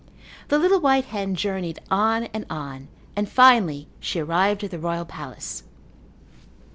The little white hen journeyed on and on, and finally she arrived at the royal palace.